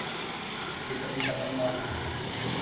یہ کبھی ختم نہ ہوگی ۔